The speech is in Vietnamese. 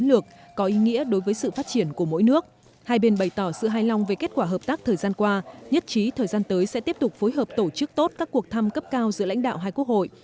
nói lòng về kết quả hợp tác thời gian qua nhất trí thời gian tới sẽ tiếp tục phối hợp tổ chức tốt các cuộc thăm cấp cao giữa lãnh đạo hai quốc hội